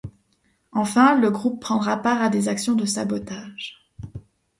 Enfin, le groupe prendra part à des actions de sabotage.